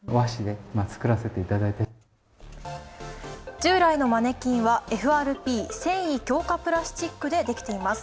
従来のマネキンはＦＲＰ＝繊維強化プラスチックでできています。